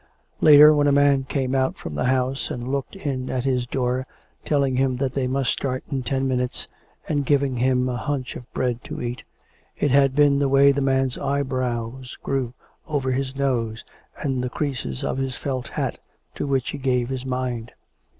Later, when a man had come out from the house, and looked in at his door, telling him that they must start in ten minutes, and giving him a hunch of bread to eat, it had been the way the man's eyebrows grew over his nose, and the creases of his felt hat, to which he gave his mind.